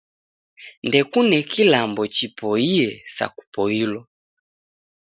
Ndekune kilambo chipoiye sa kupoilwa